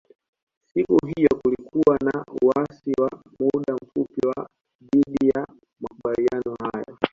Siku hiyo kulikuwa na uasi wa muda mfupi wa dhidi ya makubaliano hayo